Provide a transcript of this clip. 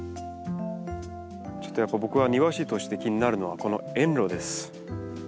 ちょっとやっぱり僕は庭師として気になるのはこの園路です。